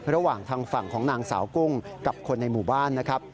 ระหว่างทางฝั่งของนางสาวกุ้งกับคนในหมู่บ้านนะครับ